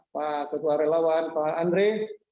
pak ketua relawan pak andre